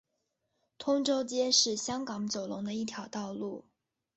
通州街是香港九龙的一条道路。